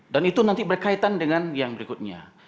dan itu nanti berkaitan dengan yang berikutnya